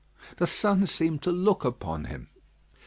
The sun seemed to look upon him.